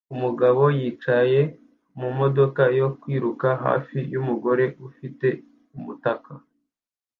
Umugabo yicaye mumodoka yo kwiruka hafi yumugore ufite umutaka